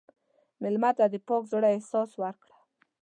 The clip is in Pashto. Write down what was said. مېلمه ته د پاک زړه احساس ورکړه.